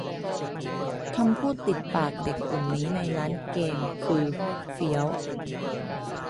คำพูดติดปากเด็กกลุ่มนี้ในร้านเกม คือ เฟี้ยว